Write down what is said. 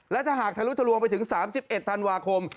และถ้าหากทะลุทะลวงไปถึง๓๑ธันวาคม